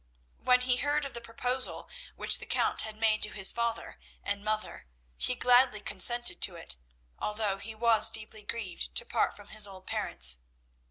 When he heard of the proposal which the Count had made to his father and mother, he gladly consented to it, although he was deeply grieved to part from his old parents.